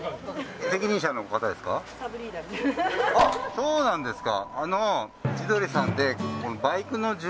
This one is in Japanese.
そうなんですか。